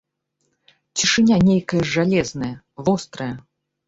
Цішыня нейкая жалезная, вострая.